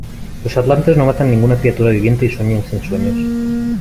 Los atlantes no matan ninguna criatura viviente y sueñan sin sueños.